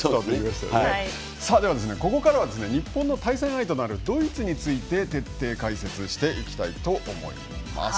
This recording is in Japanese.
ここからは日本の対戦相手ドイツについて徹底解説していきたいと思います。